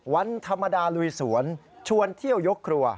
วันธรรมดาลุยสวนชวนเที่ยวยกครัว